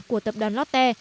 của tập đoàn lotte